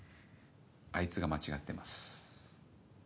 あいつが間違ってます。